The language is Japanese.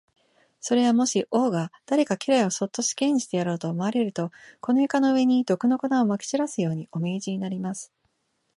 それは、もし王が誰か家来をそっと死刑にしてやろうと思われると、この床の上に、毒の粉をまき散らすように、お命じになります。